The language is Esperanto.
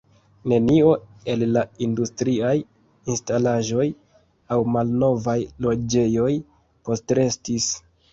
Nenio el la industriaj instalaĵoj aŭ malnovaj loĝejoj postrestis.